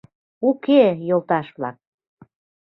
Уке, йолташ-влак!